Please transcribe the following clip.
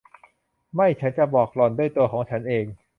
ไม่ ฉันจะบอกหล่อนด้วยตัวของฉันเอง